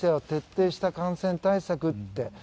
徹底した感染対策って。